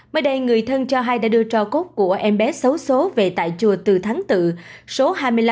mới đây người thân cho hai đã đưa trò cốt của em bé xấu xố về tại chùa từ thắng tự số hai mươi năm